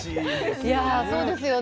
いやぁそうですよね。